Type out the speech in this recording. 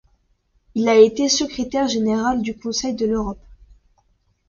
Il a été secrétaire général du Conseil de l'Europe.